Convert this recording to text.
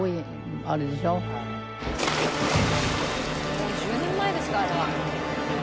もう１０年前ですかあれは。